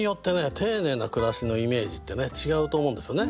丁寧な暮らしのイメージってね違うと思うんですよね。